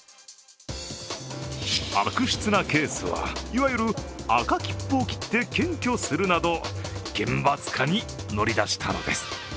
悪質なケースはいわゆる赤切符を切って検挙するなど厳罰化に乗り出したのです。